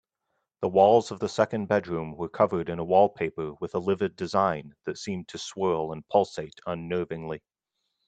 The walls of the second bedroom were covered in a wallpaper with a livid design that seemed to swirl and pulsate unnervingly.